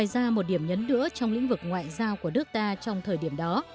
ra một điểm nhấn đỡ trong lĩnh vực ngoại giao của nước ta trong thời điểm đó